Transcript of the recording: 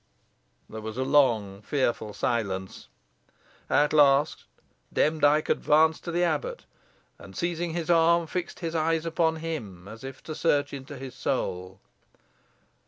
There was a long, fearful silence. At last Demdike advanced to the abbot, and, seizing his arm, fixed his eyes upon him, as if to search into his soul.